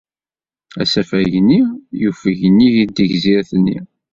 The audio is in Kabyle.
Asafag-nni yufeg nnig tegzirt-nni.